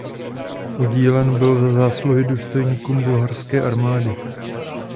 Udílen byl za zásluhy důstojníkům bulharské armády.